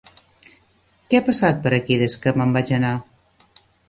Què passat per aquí des que me'n vaig anar?